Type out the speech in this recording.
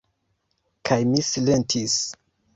Kaj mi silentis.